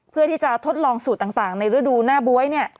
เพื่อที่จะทดลองสูตรต่างในฤดูหน้าบ๊วย